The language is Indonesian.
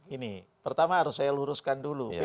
ini pertama harus saya luruskan dulu